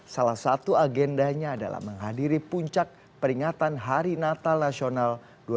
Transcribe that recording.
salah satu agendanya adalah menghadiri puncak peringatan hari natal nasional dua ribu dua puluh